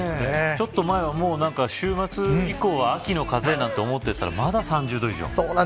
ちょっと前は、週末以降は秋の風と思っていたらまだ３０度以上ある。